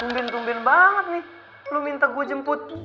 tumbin tumbin banget nih lo minta gue jemput